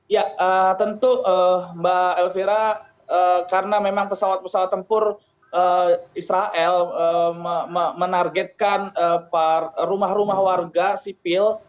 ya tentu mbak elvira karena memang pesawat pesawat tempur israel menargetkan rumah rumah warga sipil